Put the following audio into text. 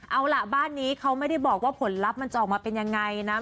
เอาล่ะบ้านนี้เขาไม่ได้บอกว่าผลลัพธ์มันจะออกมาเป็นยังไงนะ